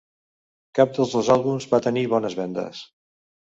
Cap dels dos àlbums va tenir bones vendes.